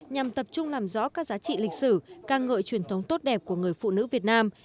nhằm tập trung làm rõ các giá trị lịch sử ca ngợi truyền thống tốt đẹp của người phụ nữ việt nam